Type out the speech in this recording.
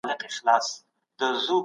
کمپيوټر کار تېزوي.